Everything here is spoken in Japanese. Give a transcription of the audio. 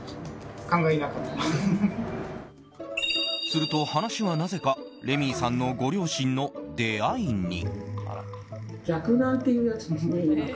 すると、話はなぜかレミイさんのご両親の出会いに。